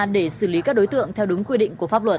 để xử lý các đối tượng theo đúng quy định của pháp luật